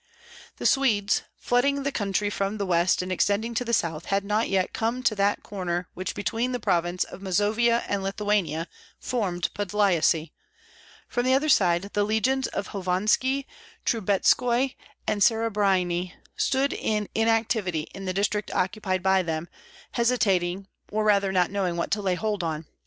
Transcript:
The Swedes, flooding the country from the west and extending to the south, had not yet come to that corner which between the province of Mazovia and Lithuania formed Podlyasye; from the other side the legions of Hovanski, Trubetskoi, and Serebryani, stood in inactivity in the district occupied by them, hesitating, or rather not knowing what to lay hold on.